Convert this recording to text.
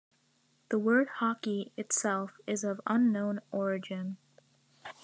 The word "hockey" itself is of unknown origin.